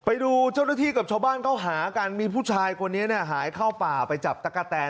ไปดูเจ้าหน้าที่กับชาวบ้านเขาหากันมีผู้ชายคนนี้หายเข้าป่าไปจับตะกะแตน